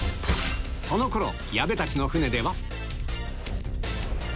その頃矢部たちの船では？